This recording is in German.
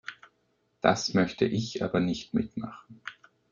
Das möchte ich aber nicht mitmachen.